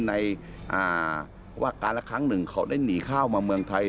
ว่าการละครั้งหนึ่งเขาได้หนีข้าวมาเมืองไทย